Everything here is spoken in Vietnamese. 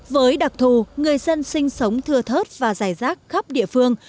với đặc thù người dân sinh sống thưa thớt và dài rác khắp địa phương